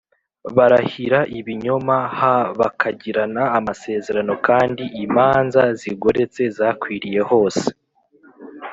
Barahira ibinyoma h bakagirana amasezerano kandi imanza zigoretse zakwiriye hose